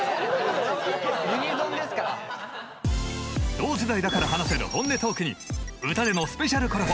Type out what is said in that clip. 同世代だから話せるホンネトークに歌でのスペシャルコラボ。